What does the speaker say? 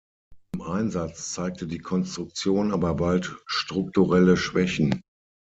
Im Einsatz zeigte die Konstruktion aber bald strukturelle Schwächen.